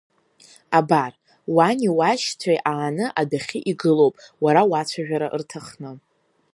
Абар, Уани уашьцәеи ааны адәахьы игылоуп Уара уацәажәара рҭахны.